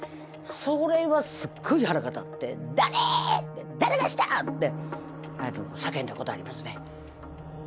それはすっごい腹が立って「誰！誰がしたん！」って叫んだことありますね。